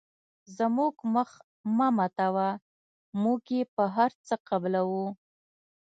زموږ مخ مه ماتوه موږ یې په هر څه قبلوو.